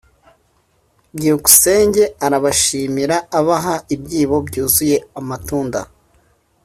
byukusenge arabashimira abaha ibyibo byuzuye amatunda.